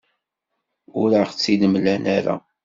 Ur aɣ-tt-id-mlan ara.